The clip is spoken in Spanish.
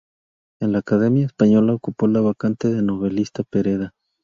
En la Academia Española ocupó la vacante del novelista Pereda.